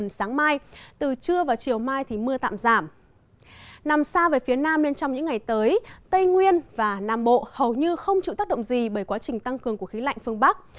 nằm xa về phía nam nên trong những ngày tới tây nguyên và nam bộ hầu như không chịu tác động gì bởi quá trình tăng cường của khí lạnh phương bắc